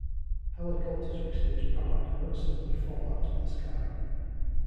Helicopters which lose power do not simply fall out of the sky.